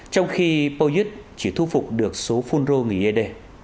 trong khi pau huynh chỉ thu phục được số phun rô nghị y d